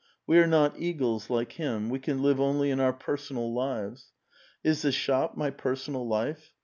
We are not eagles, like him ; we can live only in our personal lives. Is the shop my personal life?